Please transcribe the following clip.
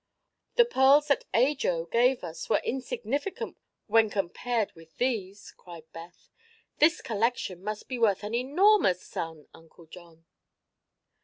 "Why, the pearls that Ajo gave us were insignificant when compared with these!" cried Beth. "This collection must be worth an enormous sum. Uncle John."